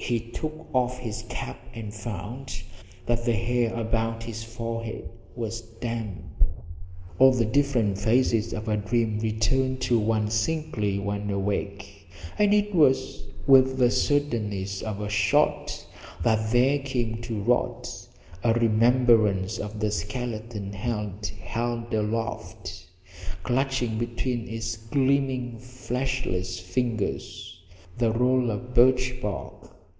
He took off his cap and found that the hair about his forehead was damp. All the different phases of a dream return to one singly when awake, and it was with the suddenness of a shot that there came to Rod a remembrance of the skeleton hand held aloft, clutching between its gleaming fleshless fingers the roll of birch bark.